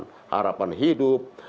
harapan hidup harapan kehidupan